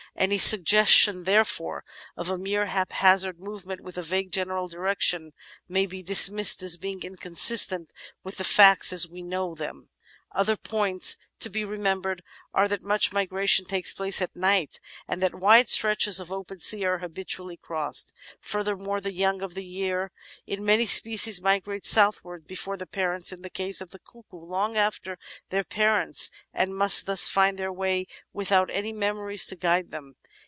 Any suggestion, therefore, of a mere haphazard movement with a vague general direction may be dismissed as being inconsistent with the facts as we know them. Other points to be remembered are that much Natural History 431 migration takes place at night, and that wide stretches of open sea are habitually crossed. Furthermore, the young of the year in many species migrate southwards before the parents — in the case of the Cuckoo, long after their parents — and must thus find their way without any memories to guide them.